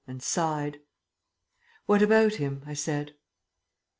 and sighed. "What about him?" I said.